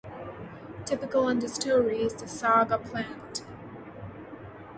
Typical understory is the Saga plant.